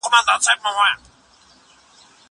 زه مخکي د زده کړو تمرين کړی وو!